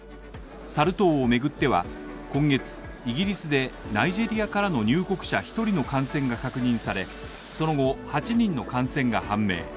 サル痘を巡っては今月、イギリスでナイジェリアからの入国者１人の感染が確認され、その後、８人の感染が判明。